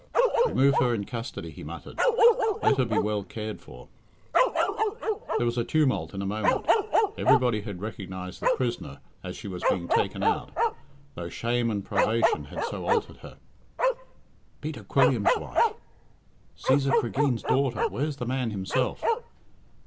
"Remove her in custody," he muttered; "let her be well cared for." There was a tumult in a moment. Everybody had recognised the prisoner as she was being taken out, though shame and privation had so altered her. "Peter Quilliam's wife!" "Cæsar Cregeen's daughter where's the man himself?"